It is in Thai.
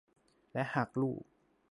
และหากลูก